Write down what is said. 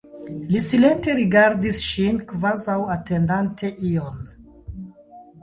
Li silente rigardis ŝin, kvazaŭ atendante ion.